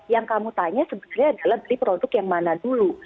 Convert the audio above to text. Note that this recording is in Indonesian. yang kamu tanya sebenarnya adalah beli produk yang mana dulu